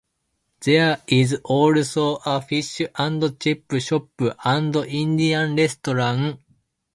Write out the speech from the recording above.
There is also a Fish and Chip shop and Indian Restaurant.